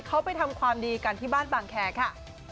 เขาไปทำความดีกันที่บ้านบางแคร์ค่ะ